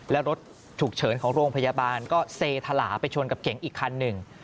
แล้วรถฉุกเฉินของโรงพยาบาลก็เซธลาไปชนกับเก๋งอีกคันหนึ่ง